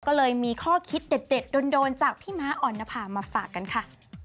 ก็เลยมีข้อคิดเด็ดโดนจากพี่ม้าอ่อนนภามาฝากกันค่ะ